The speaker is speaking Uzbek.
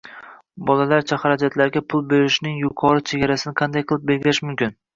Bolalarcha xarajatlarga pul berishning yuqori chegarasini qanday qilib belgilash mumkin?